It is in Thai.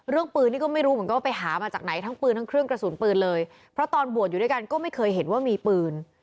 เรื่องปืนนี่ก็ไม่รู้เหมือนกันว่าไปหามาจากไหนทั้งปืนทั้งเครื่องกระสุนปืนเลยเพราะตอนบวชอยู่ด้วยกันก็ไม่เคยเห็นว่ามีปืน